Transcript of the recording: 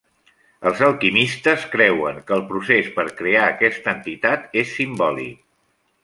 Els alquimistes creuen que el procés per crear aquesta entitat és simbòlic.